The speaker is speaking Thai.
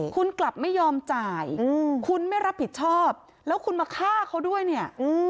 คุณกลับไม่ยอมจ่ายคุณไม่รับผิดชอบแล้วคุณมาฆ่าเขาด้วยเนี่ย